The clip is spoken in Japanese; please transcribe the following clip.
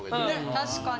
確かに。